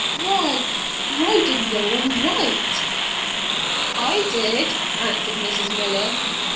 Why, why did no one write?" "I did," answered Mrs. Miller.